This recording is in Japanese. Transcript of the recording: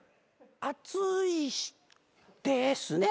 熱いですね。